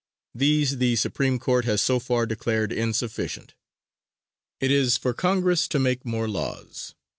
These the Supreme Court has so far declared insufficient. It is for Congress to make more laws.